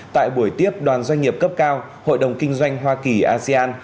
tại buổi tiếp đoàn doanh nghiệp cấp cao hội đồng kinh doanh hoa kỳ asean